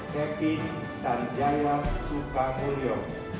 tujuh kevin sanjaya sukakulyo